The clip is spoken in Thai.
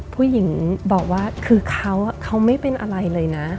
ผู้หญิงบอกว่าคือเขาไม่เป็นอะไรเลยนะ